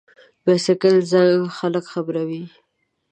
د بایسکل زنګ خلک خبروي.